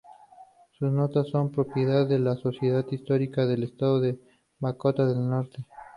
Sus notas son propiedad de la Sociedad Histórica del Estado de Dakota del Norte.